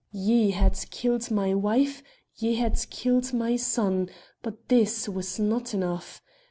"Ye had killed my wife; ye had killed my son; but this was not enough.